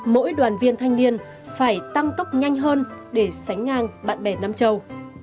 mỗi đoàn viên thanh niên phải tăng tốc nhanh hơn để sánh ngang bạn bè nam châu